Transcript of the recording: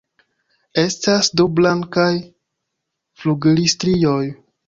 Estas du blankaj flugilstrioj.